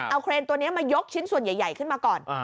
เอาเครนตัวนี้มายกชิ้นส่วนใหญ่ขึ้นมาก่อน